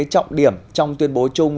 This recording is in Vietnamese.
trọng điểm trong tuyên bố chung